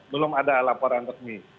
belum ada laporan resmi